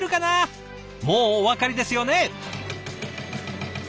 もうお分かりですよね？